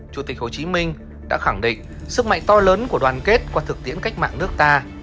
chủ tịch hồ chí minh đã khẳng định sức mạnh to lớn của đoàn kết qua thực tiễn cách mạng nước ta